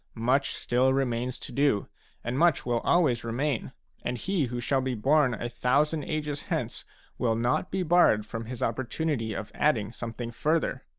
Much still remains to do, and much will always remain, and he who shall be born a thousand ages hence will not be barred from his opportunity of adding something further.